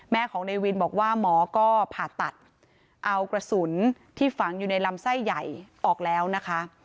ของในวินบอกว่าหมอก็ผ่าตัดเอากระสุนที่ฝังอยู่ในลำไส้ใหญ่ออกแล้วนะคะ